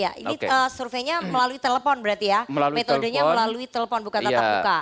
ya ini surveinya melalui telepon berarti ya metodenya melalui telepon buka tatap muka